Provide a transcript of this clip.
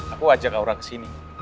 aku ajak orang ke sini